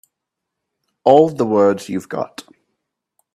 All the words you've got.